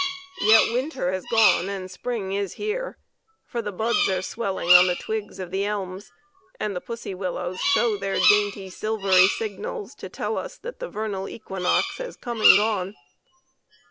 Yet winter has gone and spring is here, for the buds are swelling on the twigs of the elms and the pussy willows show their dainty, silvery signals to tell us that the vernal equinox has come and gone.